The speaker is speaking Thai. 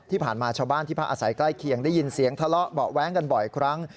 ที่ผ่านมาชาวบ้านที่พักอาศัยใกล้เคียงได้ยินเสียงทะเลาะเบาะแว้งกันบ่อยครั้ง